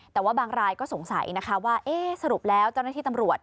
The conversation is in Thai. แต่ว่าบางรายก็สงสัยนะคะว่าเอ๊ะสรุปแล้วเจ้าหน้าที่ตำรวจ